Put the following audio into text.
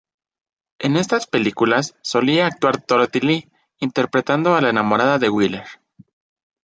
En estas películas solía actuar Dorothy Lee interpretando a la enamorada de Wheeler.